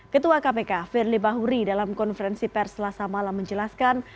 ketua kpk firly bahuri dalam konferensi perselasa malam menjelaskan